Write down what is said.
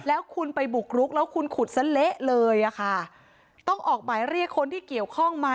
แล้วคุณไปบุกรุกแล้วคุณขุดซะเละเลยอ่ะค่ะต้องออกหมายเรียกคนที่เกี่ยวข้องมา